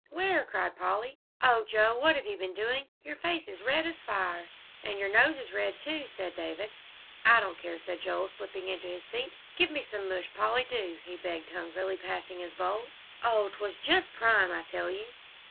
"Where?" cried Polly. "Oh, Joe, what have you been doing? Your face is as red as fire." "And your nose is red, too," said David. "I don't care," said Joel, slipping into his seat. "Give me some mush, Polly, do!" he begged hungrily, passing his bowl. "Oh, 'twas just prime, I tell you!"